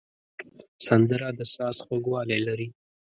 سندره د ساز خوږوالی لري